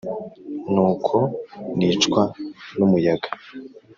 nuko nicwa n’umuyaga